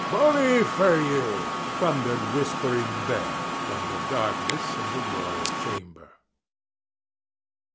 "Bully for you!" thundered Whispering Ben from the darkness of the royal chamber.